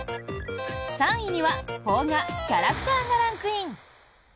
３位には邦画「キャラクター」がランクイン。